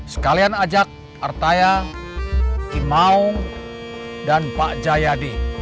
sekalian ajak artaya kim maung dan pak jayadi